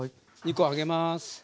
２コ揚げます。